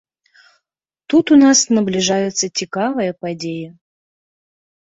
Тут у нас набліжаюцца цікавыя падзеі.